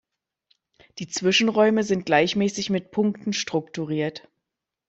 Die Zwischenräume sind gleichmäßig mit Punkten strukturiert.